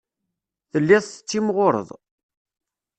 Telliḍ tettimɣureḍ.